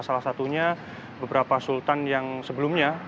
salah satunya beberapa sultan yang sebelumnya